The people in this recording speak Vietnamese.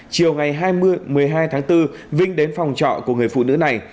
chiều ngày hai mươi một mươi hai tháng bốn vinh đến phòng trọ của người phụ nữ này